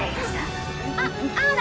あっ青だ。